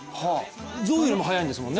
象よりも速いんですもんね。